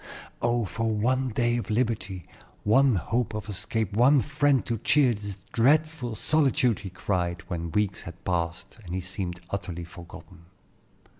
"Oh, for one day of liberty, one hope of escape, one friend to cheer this dreadful solitude!" he cried, when weeks had passed and he seemed utterly forgotten.